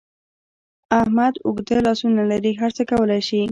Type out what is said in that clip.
احمد اوږده لاسونه لري؛ هر څه کولای شي.